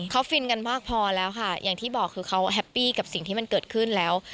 เขาฟินกันมากพอแล้วค่ะอย่างที่บอกคือเขาแฮปปี้กับสิ่งที่มันเกิดขึ้นแล้ว